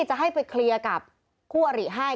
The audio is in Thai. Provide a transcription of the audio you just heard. จะให้ไปเคลียร์กับคู่อริให้